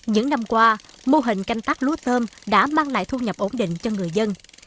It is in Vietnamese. những năm qua mô hình canh tác lúa tôm đã mang lại thu nhập ổn định cho người dân